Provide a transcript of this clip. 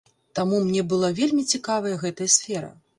Таму мне была вельмі цікавая гэтая сфера.